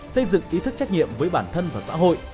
xây dựng ý thức trách nhiệm với bản thân và xã hội